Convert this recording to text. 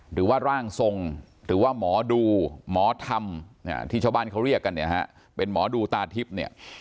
หรือว่าร่างทรงหรือว่าหมอดูหมอธรรมที่ชาวบ้านเขาเรียกกันเนี่ยฮะเป็นหมอดูตาทิพย์เนี่ย